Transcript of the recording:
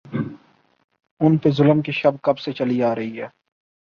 ان پہ ظلم کی شب کب سے چلی آ رہی ہے۔